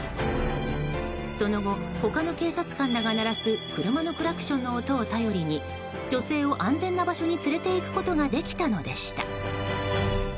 その後、他の警察官らが鳴らす車のクラクションの音を頼りに女性を、安全な場所に連れていくことができたのでした。